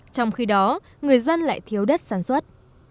trong khi đó người dân lại thiếu đất sản xuất